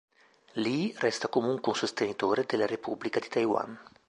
Lee resta comunque un sostenitore della Repubblica di Taiwan.